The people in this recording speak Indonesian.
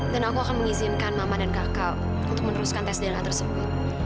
dan aku akan mengizinkan mama dan kakak untuk meneruskan tes denga tersebut